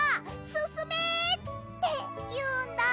すすめ！」っていうんだ。